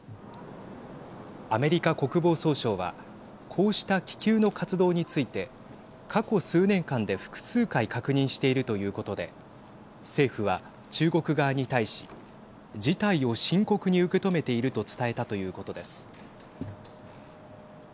アメリカ国防総省はこうした気球の活動について過去数年間で複数回確認しているということで政府は中国側に対し事態を深刻に受け止めていると伝えたということです。